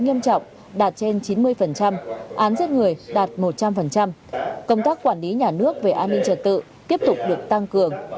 nghiêm trọng đạt trên chín mươi án giết người đạt một trăm linh công tác quản lý nhà nước về an ninh trật tự tiếp tục được tăng cường